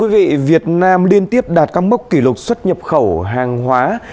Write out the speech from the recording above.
việt nam liên tiếp đạt các mức kỷ lục xuất nhập khẩu hàng hóa